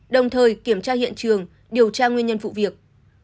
đồng thời kiểm tra hiện trường điều tra nguyên nhân vụ việc